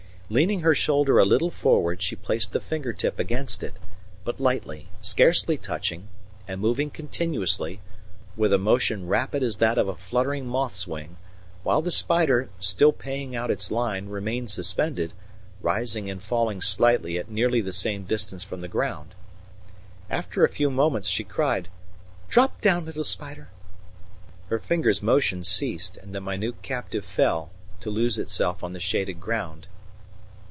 Leaning her shoulder a little forward, she placed the finger tip against it, but lightly, scarcely touching, and moving continuously, with a motion rapid as that of a fluttering moth's wing; while the spider, still paying out his line, remained suspended, rising and falling slightly at nearly the same distance from the ground. After a few moments she cried: "Drop down, little spider." Her finger's motion ceased, and the minute captive fell, to lose itself on the shaded ground.